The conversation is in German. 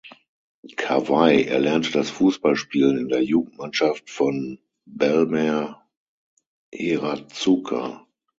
Kawai erlernte das Fußballspielen in der Jugendmannschaft von Bellmare Hiratsuka.